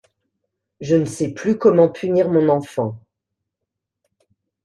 Je ne sais plus comment punir mon enfant.